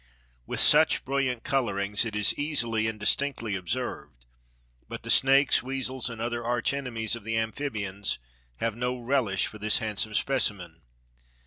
With such brilliant colorings it is easily and distinctly observed, but the snakes, weasels and other arch enemies of the amphibians have no relish for this handsome specimen.